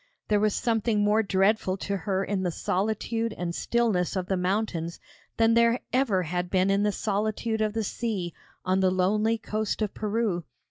There was something more dreadful to her in the solitude and stillness of the mountains than there ever had been in the solitude of the sea, on the lonely coast of Peru.